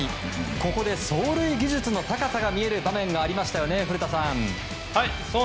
ここで、走塁技術の高さが見える場面がありましたね、古田さん。